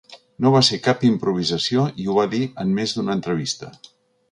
No va ser cap improvisació i ho va dir en més d’una entrevista.